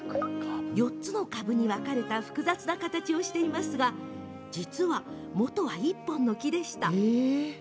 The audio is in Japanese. ４つの株に分かれた複雑な形をしていますが実は、もとは１本の木でした。